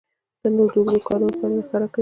تنور د اوږدو کارونو پایله ښکاره کوي